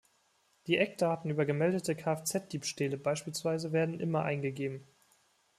Die Eckdaten über gemeldete Kfz-Diebstähle beispielsweise werden immer eingegeben.